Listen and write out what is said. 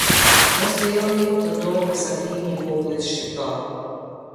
Mos lejoni të ndodhë masakrimi i popullit shqiptar.